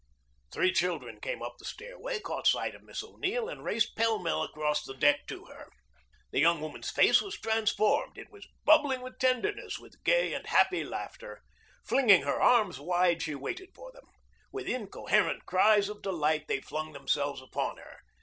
Three children came up the stairway, caught sight of Miss O'Neill, and raced pell mell across the deck to her. The young woman's face was transformed. It was bubbling with tenderness, with gay and happy laughter. Flinging her arms wide, she waited for them. With incoherent cries of delight they flung themselves upon her.